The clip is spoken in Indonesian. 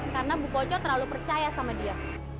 karena bu poco terlalu percaya sama dia